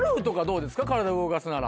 体動かすなら。